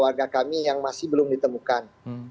warga kami yang masih belum ditemukan